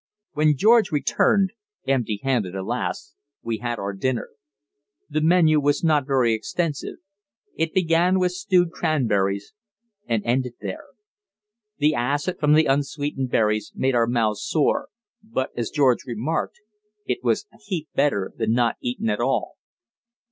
When George returned empty handed, alas! we had our dinner. The menu was not very extensive it began with stewed cranberries and ended there. The acid from the unsweetened berries made our mouths sore, but, as George remarked, "it was a heap better than not eatin' at all."